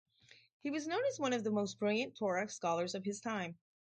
He was known as one of the most brilliant Torah scholars of his time.